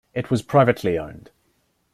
It was privately owned.